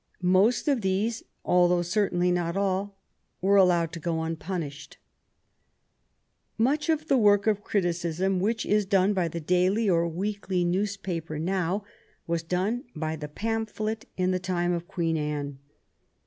Most of these, although certainly not all, were allowed to go unpunished. Much of the work of criticism which is done by the daily or weekly newspaper now was done by the pam phlet in the time of Queen Anne.